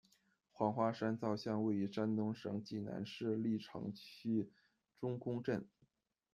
黄花山造像，位于山东省济南市历城区仲宫镇。